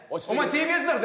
ＴＢＳだろ